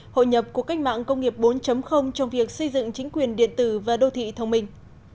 hội nhập của cách mạng công nghiệp bốn trong việc xây dựng chính quyền điện tử và đô thị thông minh